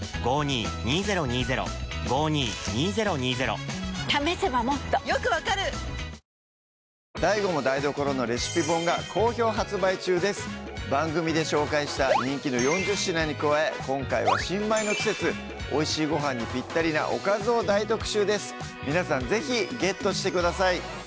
鶏肉は２ｃｍ角にカットしておきましょうＤＡＩＧＯも台所のレシピ本が好評発番組で紹介した人気の４０品に加え今回は新米の季節おいしいごはんにぴったりなおかずを大特集です皆さん是非ゲットしてください